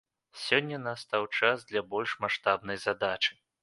Сёння настаў час для больш маштабнай задачы.